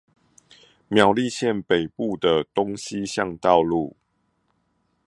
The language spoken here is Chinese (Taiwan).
苗栗縣北部的東西向道路